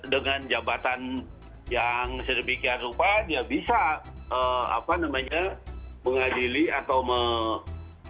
dengan jabatan yang sedepikian rupa dia bisa apa namanya mengadili atau menghukum